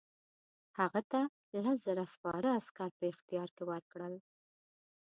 هغه ته لس زره سپاره عسکر په اختیار کې ورکړل.